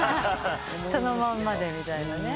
そのまんまでみたいな。